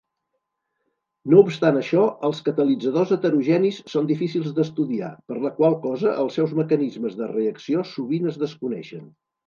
No obstant això, els catalitzadors heterogenis són difícils d'estudiar, per la qual cosa els seus mecanismes de reacció sovint es desconeixen.